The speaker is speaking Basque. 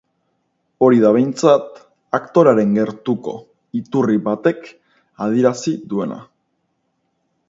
Hori da behintzat aktorearen gertuko iturri batek adierazi duena.